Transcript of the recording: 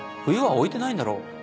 冬は置いてないんだろう。